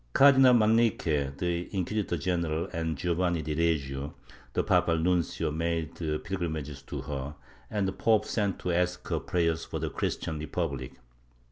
Cardinal Manrique, the inquisitor general, and Giovanni di Reggio, the papal nuncio, made pilgrimages to her, and the pope sent to ask her prayers for the Christian Republic.